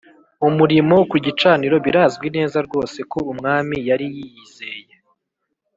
umurimo ku gicaniro Birazwi neza rwose ko Umwami yari yiyizeye